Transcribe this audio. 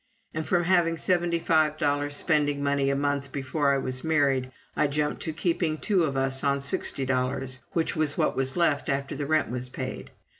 And from having seventy five dollars spending money a month before I was married, I jumped to keeping two of us on sixty dollars, which was what was left after the rent was paid.